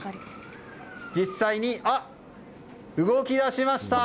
実際に動き出しました。